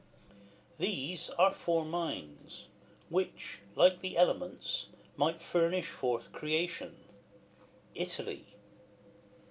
LV. These are four minds, which, like the elements, Might furnish forth creation: Italy!